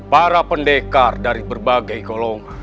para pendekar dari berbagai golongan